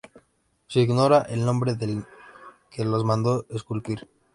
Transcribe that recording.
Se ignora el nombre del que los mandó esculpir.